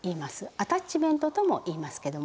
「アタッチメント」ともいいますけども。